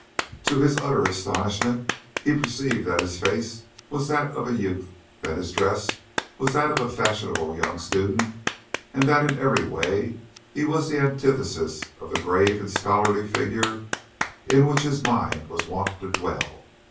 To his utter astonishment he perceived that his face was that of a youth, that his dress was that of a fashionable young student, and that in every way he was the antithesis of the grave and scholarly figure in which his mind was wont to dwell.